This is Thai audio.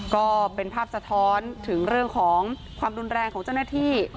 ก็เป็นภาพสะท้อนถึงเรื่องของความรุนแรงของเจ้าหน้าที่